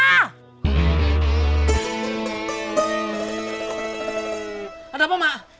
ada apa mak